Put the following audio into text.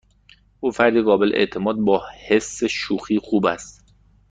او فردی قابل اعتماد با حس شوخی خوب است.